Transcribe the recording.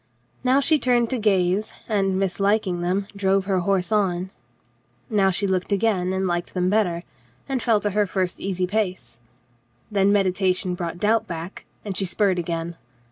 Now she turned to gaze, and, mislik ing them, drove her horse on. Now she looked again and liked them better, and fell to her first easy pace. Then meditation brought doubt back, and she spurred again.